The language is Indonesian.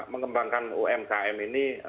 mengembangkan umkm ini